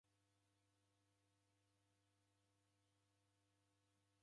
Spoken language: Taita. Maelfu gha w'andu w'erefwa ngelo ya Korona.